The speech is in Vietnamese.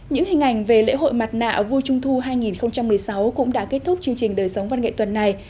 những hình ảnh về lễ hội mặt nạ vui trung thu hai nghìn một mươi sáu cũng đã kết thúc chương trình đời sống văn nghệ tuần này